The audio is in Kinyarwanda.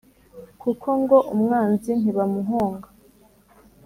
koko ngo umwanzi ntibamuhonga